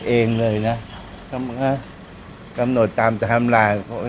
อันนี้เป็นตามเทิมบาททั้งหมด